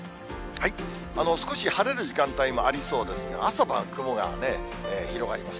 少し晴れる時間帯もありそうですが、朝晩雲が広がります。